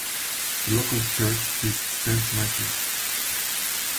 The local church is Saint Michael's.